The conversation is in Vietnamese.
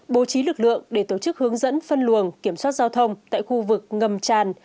bố trí lực lượng để tổ chức hướng dẫn phân luồng kiểm soát giao thông tại khu vực ngầm tràn